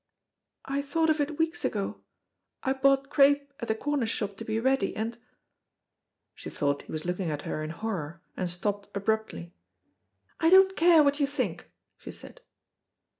"I thought of it weeks ago, I bought crape at the corner shop to be ready, and " She thought he was looking at her in horror, and stopped abruptly. "I don't care what you think," she said.